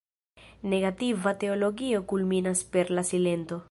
Negativa teologio kulminas per la silento.